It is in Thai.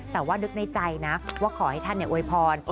แต่ว่านึกในใจนะว่าขอให้ท่านอวยพร